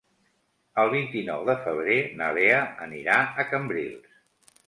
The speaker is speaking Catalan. El vint-i-nou de febrer na Lea anirà a Cambrils.